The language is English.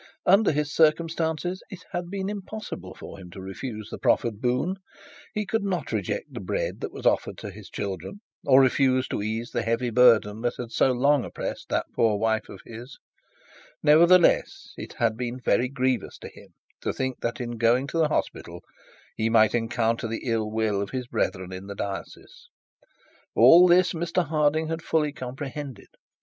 Under his circumstances it had been impossible for him to refuse the proffered boon; he could not reject the bread that was offered to his children, or refuse to ease the heavy burden that had so long oppressed that poor wife of his; nevertheless, it had been very grievous to him to think that in going to the hospital he might encounter the ill will of his brethren in the diocese. All this Mr Harding had fully comprehended.